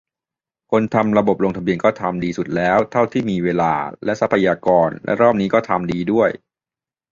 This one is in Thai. คนทำระบบลงทะเบียนก็ทำดีสุดแล้วเท่าที่มีเวลาและทรัพยากร และรอบนี้ก็ทำดีด้วย